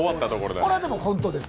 これは本当です。